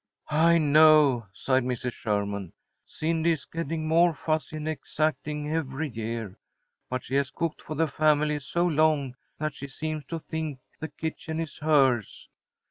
"I know," sighed Mrs. Sherman. "Cindy is getting more fussy and exacting every year. But she has cooked for the family so long that she seems to think the kitchen is hers.